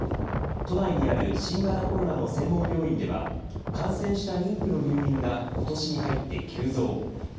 都内にある新型コロナの専門病院では、感染した妊婦の入院がことしに入って急増。